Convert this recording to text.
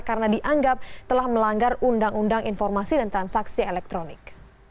karena dianggap telah melanggar undang undang informasi dan transaksi elektronik